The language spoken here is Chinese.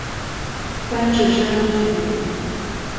官至山东巡抚。